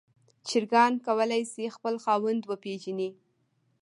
چرګان کولی شي خپل خاوند وپیژني.